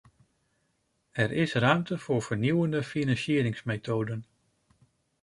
Er is ruimte voor vernieuwende financieringsmethoden.